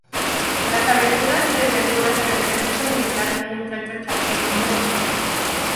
Las aventuras y desventuras en el servicio militar de un muchacho chaqueño miope.